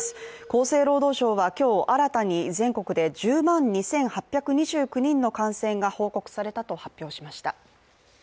厚生労働省は今日新たに全国で１０万２８２９人の感染が報告されたと発表しました。